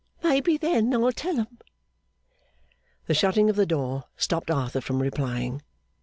Maybe, then I'll tell 'em!' The shutting of the door stopped Arthur from replying.